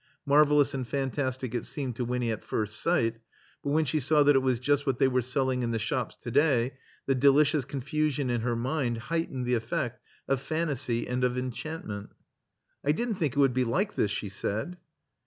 Marvelous and fantastic it seemed to Winny at first sight. But when she saw that it was just what they were selling in the shops to Kiay the delicious confusion in her mind heightened the effect of fantasy and of enchantment. *'I didn't thhik it would be like this," she said.